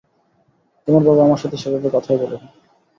তোমার বাবা আমার সাথে সেভাবে কথাই বলেনি।